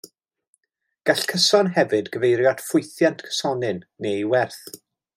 Gall cyson hefyd gyfeirio at ffwythiant cysonyn, neu ei werth.